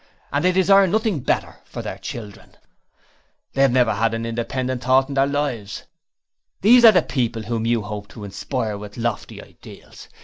And they desire nothing better for their children! 'They have never had an independent thought in their lives. These are the people whom you hope to inspire with lofty ideals!